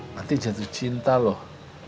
nanti jatuh cinta loh